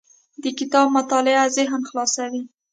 د کتاب مطالعه ذهن خلاصوي.